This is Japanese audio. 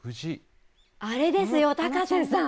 あれですよ、高瀬さん。